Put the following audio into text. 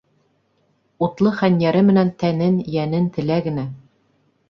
Утлы хәнйәре менән тәнен, йәнен телә генә.